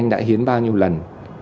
hiến bao nhiêu lần